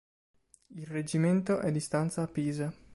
Il reggimento è di stanza a Pisa.